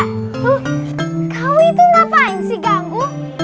huh kamu itu ngapain sih ganggu